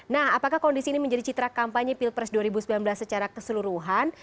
nah apakah kondisi ini menjadi citra kampanye pilpres dua ribu sembilan belas secara keseluruhan